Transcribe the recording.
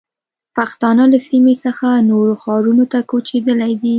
پښتانه له سیمې څخه نورو ښارونو ته کوچېدلي دي.